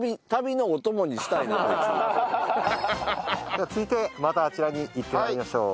では続いてまたあちらに行って参りましょう。